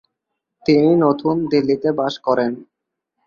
তিনি নতুন দিল্লিতে বাস করেন।